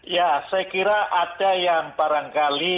ya saya kira ada yang barangkali